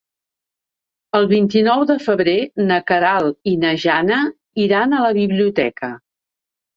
El vint-i-nou de febrer na Queralt i na Jana iran a la biblioteca.